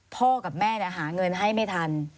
พ่อกับแม่หาเงินให้ไม่ทัน